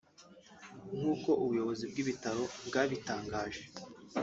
nk’uko ubuyobozi bw’ibitaro bwabitangaje